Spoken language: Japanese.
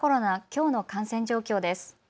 きょうの感染状況です。